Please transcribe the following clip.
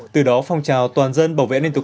từ đó phong trào toàn dân bảo vệ an ninh tự quốc